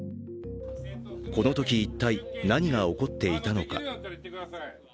このとき、一体、何が起こっていたのか。